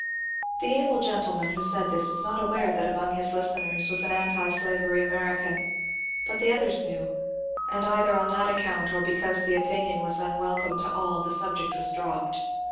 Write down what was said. The able gentleman who said this was not aware that among his listeners there was an antislavery American, but the others knew, and either on that account or because the opinion was unwelcome to all, the subject was dropped.